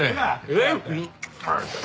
えっ。